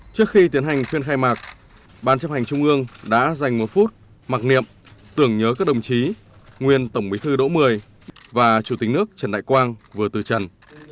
trước khi tiến hành phiên khai mạc ban chấp hành trung ương đã dành một phút mặc niệm tưởng nhớ các đồng chí nguyên tổng bí thư đỗ mười và chủ tịch nước trần đại quang vừa từ trần